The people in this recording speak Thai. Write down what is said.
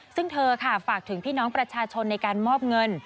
ซึ่งเธอค่ะฝากถึงพี่น้องประชาชนในการมอบเงิน